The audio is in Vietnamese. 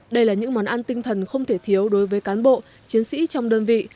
đây là những món ăn tinh thần không thể thiếu đối với cán bộ chiến sĩ trong đơn vị